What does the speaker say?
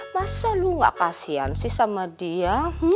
masa lu gak kasian sih sama dia